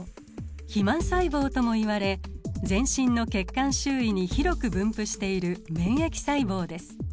肥満細胞ともいわれ全身の血管周囲に広く分布している免疫細胞です。